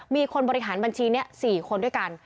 มีคนบริหารบัญชีนี้๔คนด้วยกัน